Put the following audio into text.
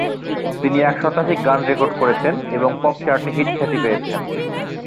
তিনি এক শতাধিক গান রেকর্ড করেছেন এবং পপ চার্টে হিট খ্যাতি পেয়েছেন।